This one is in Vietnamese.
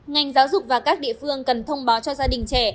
ngành giáo dục và các địa phương cần thông báo cho gia đình trẻ